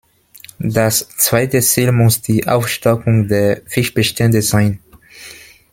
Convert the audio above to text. Das zweite Ziel muss die Aufstockung der Fischbestände sein.